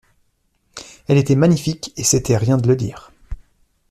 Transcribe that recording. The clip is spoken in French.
Elle était magnifique et c’était rien de le dire!